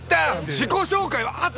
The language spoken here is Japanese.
自己紹介はあと！